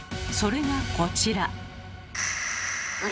それがこちら。